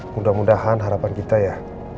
mudah mudahan harapan kita ya